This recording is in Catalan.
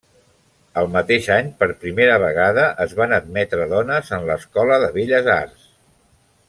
El mateix any, per primera vegada es van admetre dones en l'Escola de Belles Arts.